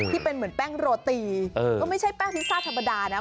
ที่เป็นเหมือนแป้งโรตีก็ไม่ใช่แป้งพิซซ่าธรรมดานะ